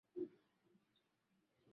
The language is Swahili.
reli ya tazara inapitia katika eneo hilo